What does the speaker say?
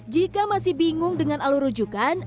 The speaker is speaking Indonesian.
jika masih bingung dengan alur rujukan